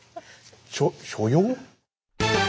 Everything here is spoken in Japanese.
しょ所用？